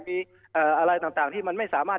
มีอะไรต่างที่มันไม่สามารถ